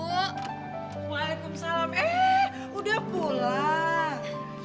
wa'alaikumsalam eh udah pulang